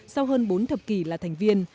sau hơn bốn thập kỷ là thành viên